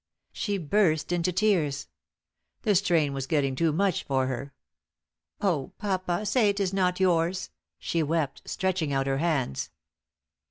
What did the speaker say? She burst into teats. The strain was getting too much for her. "Oh, papa, say it is not yours," she wept, stretching out her hands.